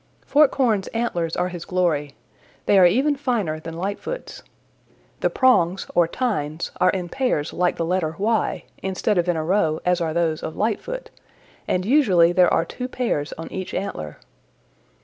"Forkhorn's antlers are his glory. They are even finer than Lightfoot's. The prongs, or tines, are in pairs like the letter Y instead of in a row as are those of Lightfoot, and usually there are two pairs on each antler.